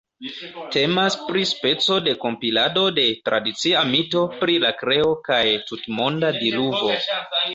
Temas pri speco de kompilado de tradicia mito pri la kreo kaj tutmonda diluvo.